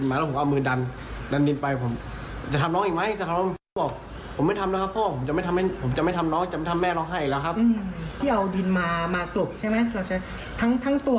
หรือว่าโคตรส่วนไหน